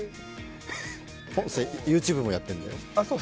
ポンセ、ＹｏｕＴｕｂｅもやってるんだよ。